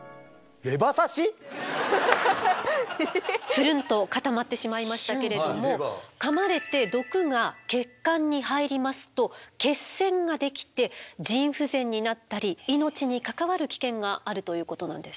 ぷるんと固まってしまいましたけれどもかまれて毒が血管に入りますと血栓ができて腎不全になったり命に関わる危険があるということなんですね。